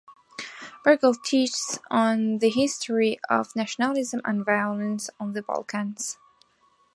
Bergholz teaches on the history of nationalism and violence on the Balkans.